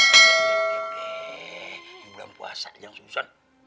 di bulan puasa yang susah